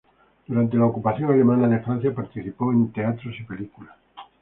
Durante la ocupación alemana de Francia participó en teatros y películas.